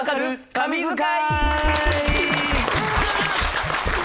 神図解』！